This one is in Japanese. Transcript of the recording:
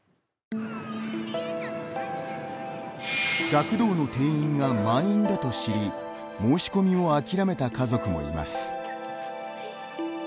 学童の定員が満員だと知り申し込みを諦めた家族もいます。